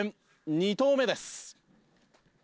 ２投目です。